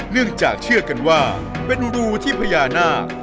เนื่องจากเชื่อกันว่าเป็นรูที่พญานาค